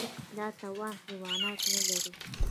دا توان حیوانات نهلري.